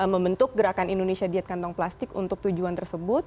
membentuk gerakan indonesia diet kantong plastik untuk tujuan tersebut